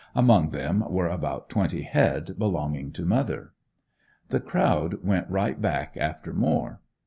Among them were about twenty head belonging to mother. The crowd went right back after more.